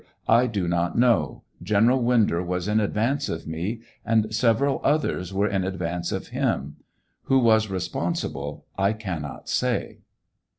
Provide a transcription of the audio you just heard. I do not know. General Winder was in advance of me, and several others were in ad vance of him. Who was responsible I cannot say.